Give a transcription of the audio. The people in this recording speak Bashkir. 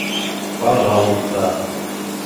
Пажалуста!